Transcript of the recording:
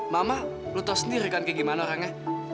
mama lo tau sendiri kan kayak gimana orangnya